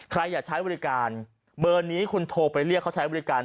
ใครอยากใช้บริการเบอร์นี้คุณโทรไปเรียกเขาใช้บริการ